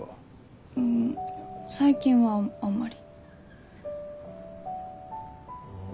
うん最近はあんまり。